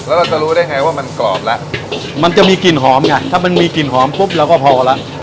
แล้วเราจะรู้ได้ไงว่ามันกรอบแล้วมันจะมีกลิ่นหอมไงถ้ามันมีกลิ่นหอมปุ๊บเราก็พอแล้ว